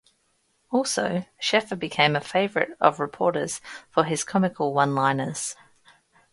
Also, Sheffer became a favorite of reporters for his comical one-liners.